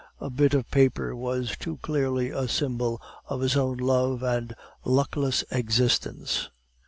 The bit of paper was too clearly a symbol of his own love and luckless existence.